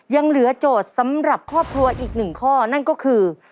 ยังเหลือโจทย์สำหรับครอบครัวอีกหนึ่งข้อนั่นก็คือ